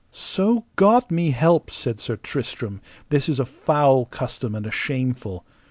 So God me help, said Sir Tristram, this is a foul custom and a shameful.